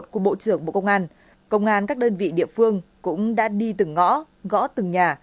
của bộ trưởng bộ công an công an các đơn vị địa phương cũng đã đi từng ngõ gõ từng nhà